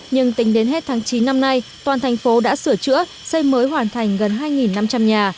nhưng tính đến hết tháng chín năm nay toàn thành phố đã sửa chữa xây mới hoàn thành gần hai năm trăm linh nhà